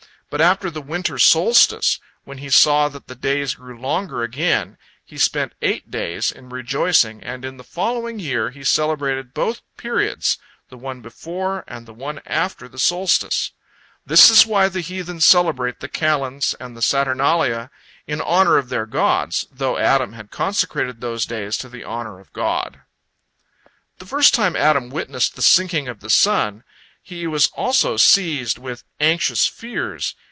But after the winter solstice, when he saw that the days grew longer again, he spent eight days in rejoicing, and in the following year he celebrated both periods, the one before and the one after the solstice. This is why the heathen celebrate the calends and the saturnalia in honor of their gods, though Adam had consecrated those days to the honor of God. The first time Adam witnessed the sinking of the sun be was also seized with anxious fears.